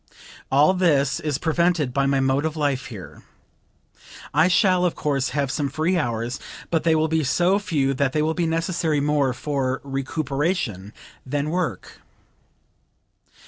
All this is prevented by my mode of life here. I shall, of course, have some free hours, but they will be so few that they will be necessary more for recuperation than work."